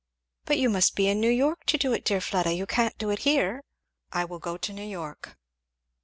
"But you must be in New York to do it, dear Fleda, you can't do it here." "I will go to New York."